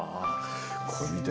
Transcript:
これみて。